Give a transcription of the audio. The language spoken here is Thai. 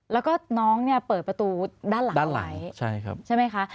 แล้วก็น้องเนี่ยเปิดประตูด้านหลังไว้ใช่ไหมคะ